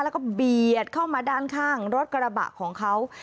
แล้วก็เบียดเข้ามาด้านข้างรถกระบะของเขา